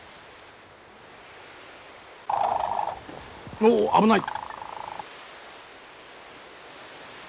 おおっ危ない！